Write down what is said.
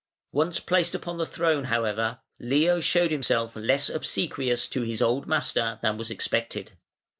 Once placed upon the throne, however, Leo showed himself less obsequious to his old master than was expected.